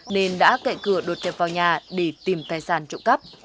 nên đã cậy cửa đột nhập vào nhà để tìm tài sản trộm cắp